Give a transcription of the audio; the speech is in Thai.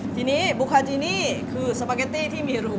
ทีนี้บุคาจินี่คือสปาเกตตี้ที่มีรู